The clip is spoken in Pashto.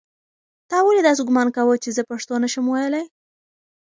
تا ولې داسې ګومان کاوه چې زه پښتو نه شم ویلی؟